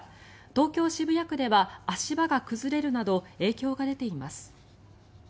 東京・渋谷区では足場が崩れるなど影響が出ています。